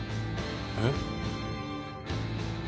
あっ？